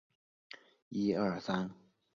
鼓膜与眼睛的直径相若。